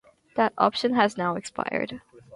That option has now expired.